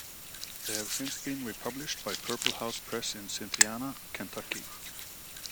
They have since been republished by Purple House Press in Cynthiana, Kentucky.